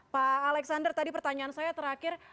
pak alexander tadi pertanyaan saya terakhir